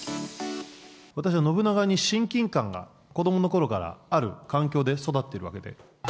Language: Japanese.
私は信長に親近感が、子どものころからある環境で育っているわけで。